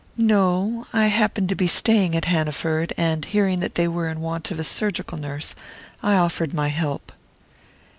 "No: I happened to be staying at Hanaford, and hearing that they were in want of a surgical nurse, I offered my help."